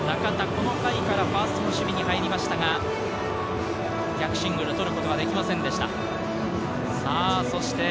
この回からファーストの守備に入りましたが、逆シングル、捕ることができませんでした。